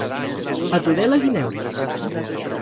A Tudela, guineus.